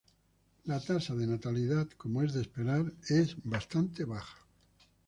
La tasa de natalidad, como es de esperar, es bastante baja.